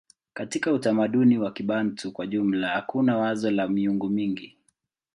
Katika utamaduni wa Kibantu kwa jumla hakuna wazo la miungu mingi.